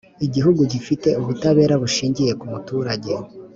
igihugu gifite ubutabera bushingiye kumuturage